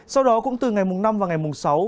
sau đó cũng từ ngày mùng năm và ngày mùng sáu